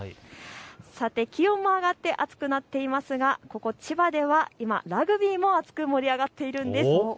さて気温も上がって暑くなっていますが、ここ千葉では今ラグビーも熱く盛り上がっているんです。